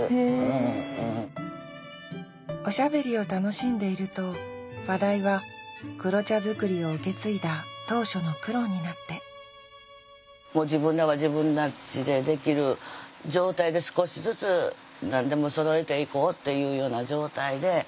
おしゃべりを楽しんでいると話題は黒茶づくりを受け継いだ当初の苦労になって自分らは自分たちでできる状態で少しずつ何でもそろえていこうというような状態で。